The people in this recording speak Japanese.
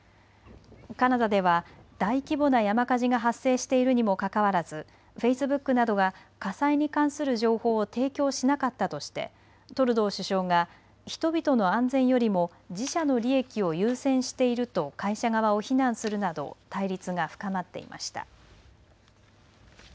カナダでは大規模な山火事が発生しているにもかかわらずフェイスブックなどが火災に関する情報を提供しなかったとしてトルドー首相が人々の安全よりも自社の利益を優先していると会社側を非難するなど対立が深まっていました。